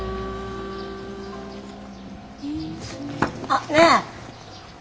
あっねえ。